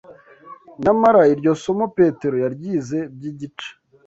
Nyamara, iryo somo Petero yaryize by’igice